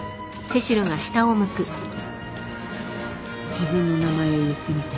自分の名前を言ってみて。